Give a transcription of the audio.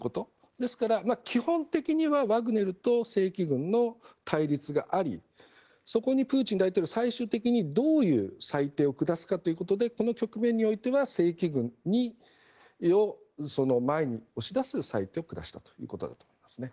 ですから、基本的にはワグネルと正規軍の対立がありそこにプーチン大統領が最終的にどういう裁定を下すかということでこの局面においては正規軍を前に押し出す裁定を下したということだと思います。